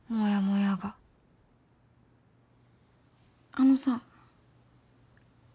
あのさ。